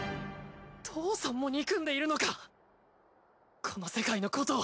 父さんも憎んでいるのかこの世界のことを。